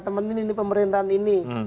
temenin ini pemerintahan ini